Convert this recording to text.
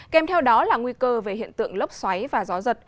kèm theo đó là nguy cơ về hiện tượng lốc xoáy và gió giật